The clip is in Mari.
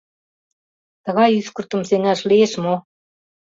Тыгай ӱскыртым сеҥаш лиеш мо?